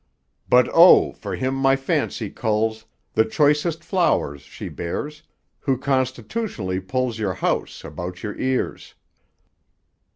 But oh! for him my fancy culls The choicest flowers she bears, Who constitutionally pulls Your house about your ears.